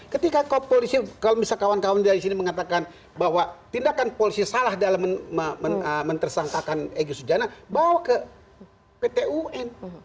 ketika polisi kalau misalnya kawan kawan dari sini mengatakan bahwa tindakan polisi salah dalam mentersangkakan egy sujana bawa ke pt un